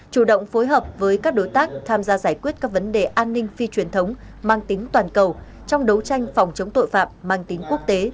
chủ động phối hợp với các đối tác tham gia giải quyết các vấn đề an ninh phi truyền thống mang tính toàn cầu trong đấu tranh phòng chống tội phạm mang tính quốc tế